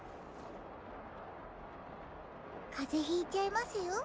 かぜひいちゃいますよ。